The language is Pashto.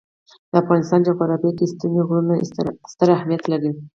د افغانستان جغرافیه کې ستوني غرونه ستر اهمیت لري.